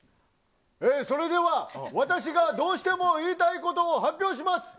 それでは、私がどうしても言いたいことを発表します。